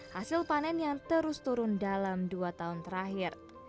hasil panen yang terus turun dalam dua tahun terakhir